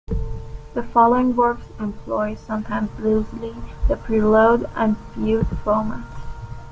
The following works employ, sometimes loosely, the prelude-and-fugue format.